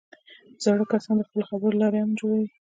زاړه کسان د خپلو خبرو له لارې امن جوړوي